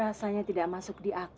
rasanya tidak masuk di akal pak